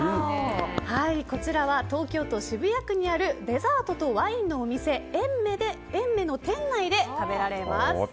こちらは東京都渋谷区にあるデザートとワインのお店エンメの店内で食べられます。